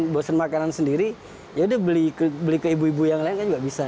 bosen makanan sendiri yaudah beli ke ibu ibu yang lain kan juga bisa